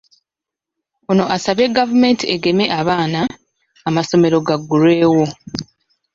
Ono asabye gavumenti egeme abaana, amasomero gaggulwewo.